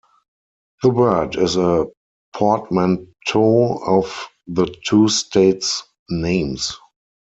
The word is a portmanteau of the two states' names.